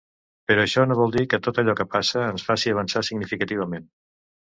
Però això no vol dir que tot allò que passa ens faci avançar significativament.